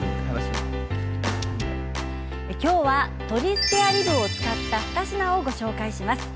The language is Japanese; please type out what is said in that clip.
今日は鶏スペアリブを使った２品をご紹介します。